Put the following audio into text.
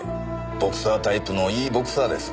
ボクサータイプのいいボクサーです。